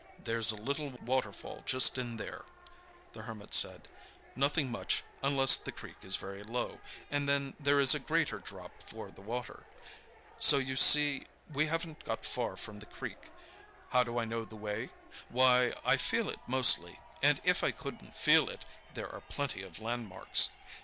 "There's a little waterfall just in there," the Hermit said, "nothing much, unless the creek is very low, and then there is a greater drop for the water. So you see we haven't got far from the creek. How do I know the way? Why, I feel it mostly, and if I couldn't feel it, there are plenty of landmarks.